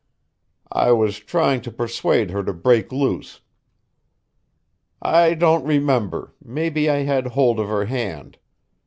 I was trying to persuade her to break loose. I don't remember maybe I had hold of her hand.